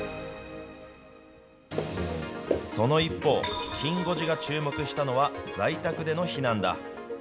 その一方、きん５時が注目したのは、在宅での避難だ。